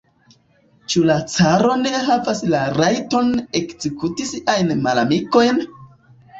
Ĉu la caro ne havas la rajton ekzekuti siajn malamikojn?